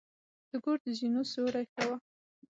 د کور د زینو سیوري ښه وه.